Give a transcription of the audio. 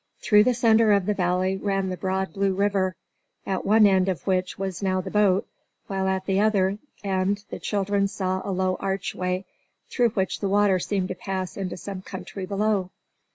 Through the center of the valley ran the broad, blue river, at one end of which was now the boat, while at the other end the children saw a low archway, through which the water seemed to pass into some country beyond.